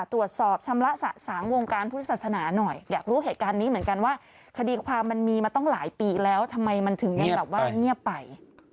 ชำระสะสางวงการพุทธศาสนาหน่อยอยากรู้เหตุการณ์นี้เหมือนกันว่าคดีความมันมีมาตั้งหลายปีแล้วทำไมมันถึงยังแบบว่าเงียบไป